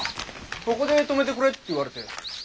ここで止めてくれって言われて。